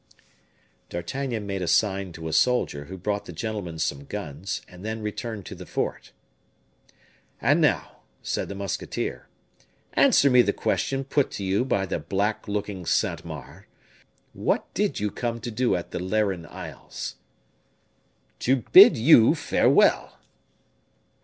D'Artagnan made a sign to a soldier, who brought the gentlemen some guns, and then returned to the fort. "And now," said the musketeer, "answer me the question put to you by that black looking Saint Mars: what did you come to do at the Lerin Isles?" "To bid you farewell."